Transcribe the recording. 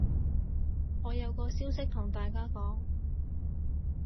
我有個消息同大家講